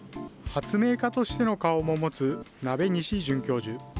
発明家としての顔も持つ鍋西准教授。